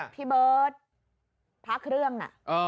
พี่เบิร์ตพระเครื่องน่ะ